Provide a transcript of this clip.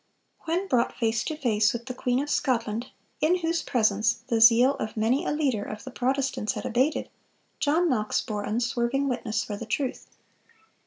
When brought face to face with the queen of Scotland, in whose presence the zeal of many a leader of the Protestants had abated, John Knox bore unswerving witness for the truth.